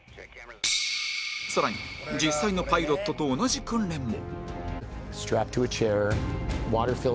更に実際のパイロットと同じ訓練も